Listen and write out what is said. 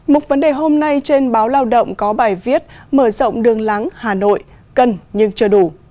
một vấn đề hôm nay trên báo lao động có bài viết mở rộng đường lắng hà nội cân nhưng chưa đủ